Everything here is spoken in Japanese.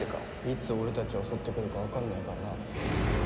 いつ俺たちを襲ってくるかわかんないからな。